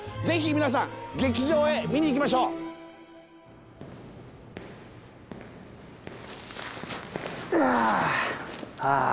ぜひ皆さん劇場へ見にいきましょうああ